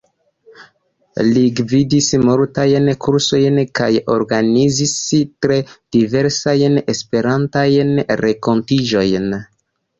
Li gvidis multajn kursojn, kaj organizis tre diversajn esperantajn renkontiĝojn.